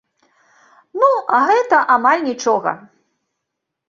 Ну, а гэта амаль нічога.